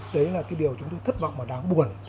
đấy là cái điều chúng tôi thất vọng mà đáng buồn